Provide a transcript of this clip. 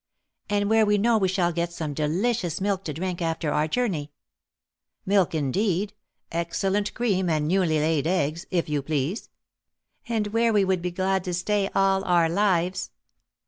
"And where we know we shall get some delicious milk to drink after our journey!" "Milk, indeed! Excellent cream, and newly laid eggs, if you please." "And where we would be glad to stay all our lives!"